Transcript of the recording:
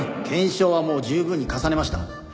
検証はもう十分に重ねました。